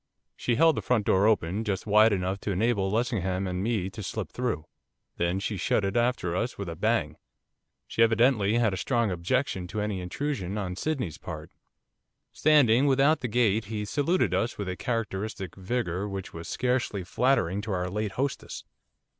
She held the front door open just wide enough to enable Lessingham and me to slip through, then she shut it after us with a bang. She evidently had a strong objection to any intrusion on Sydney's part. Standing just without the gate he saluted us with a characteristic vigour which was scarcely flattering to our late hostess.